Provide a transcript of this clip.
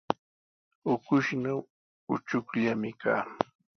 Ukushnaw uchukllami kaa.